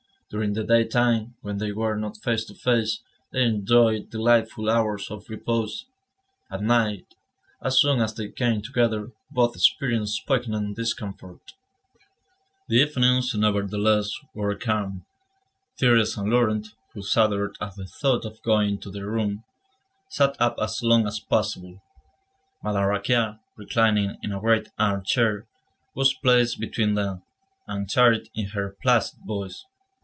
During the daytime, when they were not face to face, they enjoyed delightful hours of repose; at night, as soon as they came together, both experienced poignant discomfort. The evenings, nevertheless, were calm. Thérèse and Laurent, who shuddered at the thought of going to their room, sat up as long as possible. Madame Raquin, reclining in a great armchair, was placed between them, and chatted in her placid voice.